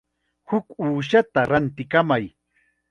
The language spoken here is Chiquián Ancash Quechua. Huk uushata rantikamay.